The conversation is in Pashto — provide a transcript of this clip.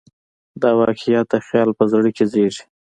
واقعیت د خیال په زړه کې زېږي.